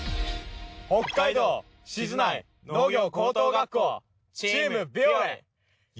北海道静内農業高等学校チーム美俺。